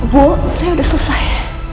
bu saya udah selesai